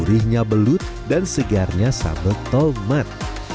gurihnya belut dan segarnya sambal tomat